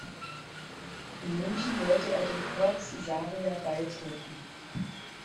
In München wollte er dem Corps Isaria beitreten.